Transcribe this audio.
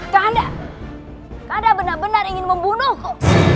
kanda benar benar ingin membunuhku